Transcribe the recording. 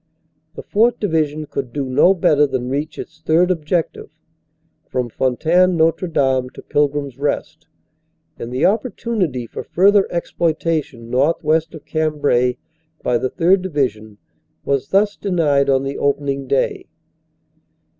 The 4th. Division could do no better than reach its Third Objective, from Fontaine Notre Dame to Pilgrim s Rest, and the opportunity for fur ther exploitation northwest of Cambrai by the 3rd. Division was thus denied on the opening day.